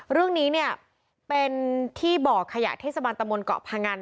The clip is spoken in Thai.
เรื่องนี้เนี่ยเป็นที่บ่อขยะเทศบาลตะมนต์เกาะพงัน